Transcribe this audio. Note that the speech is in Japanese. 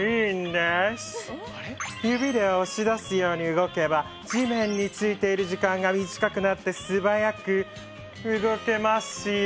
指で押し出すように動けば地面についている時間が短くなってすばやく動けますよ！